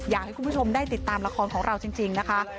อยากให้คุณผู้ชมได้ติดตามละครของเราจริงนะคะ